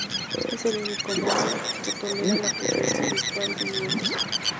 Es el único mono que tolera la presencia habitual de nieve.